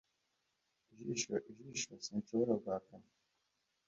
Ijisho, ijisho, sinshobora guhakana